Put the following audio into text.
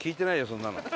そんなの。